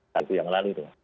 tadi yang lalu itu